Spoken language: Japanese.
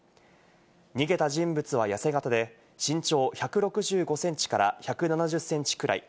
逃げた人物は痩せ形で、身長１６５センチから１７０センチくらい。